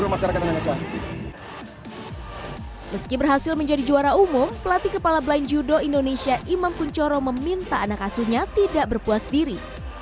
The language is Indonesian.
meski berhasil menjadi juara umum pelatih kepala blind judo indonesia imam kunchoro meminta anak asuhnya tidak berpuas diri